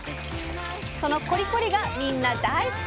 そのコリコリがみんな大好き！